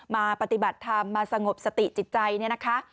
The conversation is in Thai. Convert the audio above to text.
มาปฏิบัติธรรมมาสงบสติจิตใจเนี่ยนะคะ